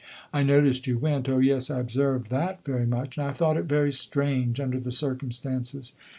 I noticed you went oh, yes, I observed that very much; and I thought it very strange, under the circumstances.